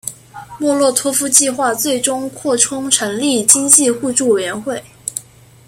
莫洛托夫计划最终扩充成立经济互助委员会。